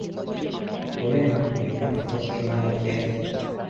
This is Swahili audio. ureno ilikuwa na kikosi imara kiasi